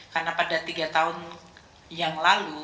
karena pada tiga tahun yang lalu